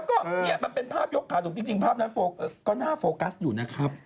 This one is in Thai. ก็เนี่ยมันเป็นภาพยกขาสูงจริงภาพนั้นก็น่าโฟกัสอยู่นะครับ